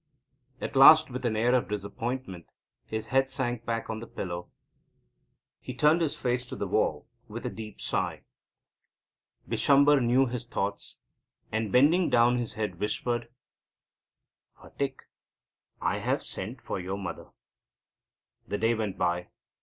At last, with an air of disappointment, his head sank back on the pillow. He turned his face to the wall with a deep sigh. Bishamber knew his thoughts, and, bending down his head, whispered: "Phatik, I have sent for your mother." The day went by.